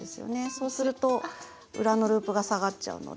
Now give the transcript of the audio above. そうすると裏のループが下がっちゃうので。